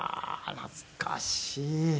懐かしい？